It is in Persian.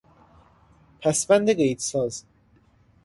پسوند قیدساز